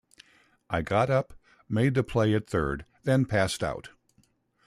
I got up, made the play at third, then passed out.